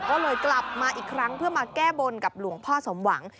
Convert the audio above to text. ก็เลยกลับมาอีกครั้งเพื่อมาแก้บนกับหลวงพ่อสมหวัง